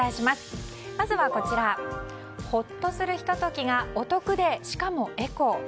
まずは、ほっとするひと時がお得でしかもエコ。